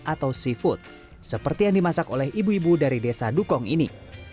atau seafood seperti yang dimasak oleh ibu ibu dari desa dukong ini